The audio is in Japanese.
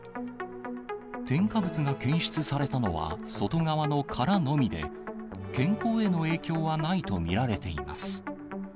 添加物が検出されたのは外側の殻のみで、健康への影響はないと見られています。